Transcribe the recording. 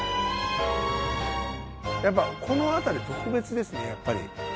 やっぱこの辺り特別ですねやっぱり。